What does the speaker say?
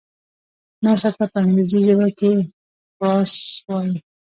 نثر ته په انګريزي ژبه کي Prose وايي.